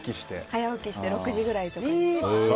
早起きして６時くらいに。